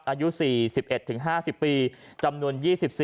อายุ๔๑๕๐ปีจำนวน๒๔